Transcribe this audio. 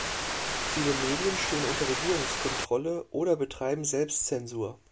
Viele Medien stehen unter Regierungskontrolle oder betreiben Selbstzensur.